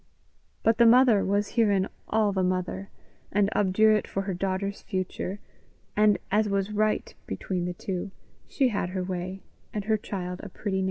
But the mother was herein all the mother, and obdurate for her daughter's future; and, as was right between the two, she had her way, and her child a pretty name.